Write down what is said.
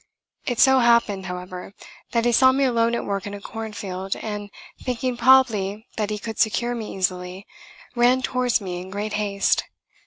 It so happened, however, that he saw me alone at work in a corn field, and thinking probably that he could secure me easily, ran towards me in great haste.